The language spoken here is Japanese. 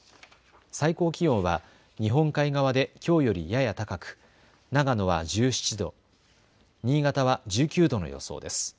最高気温は日本海側できょうよりやや高く長野は１７度、新潟は１９度の予想です。